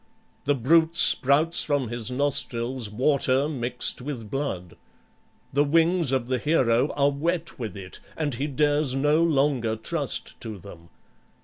The brute spouts from his nostrils water mixed with blood. The wings of the hero are wet with it, and he dares no longer trust to them.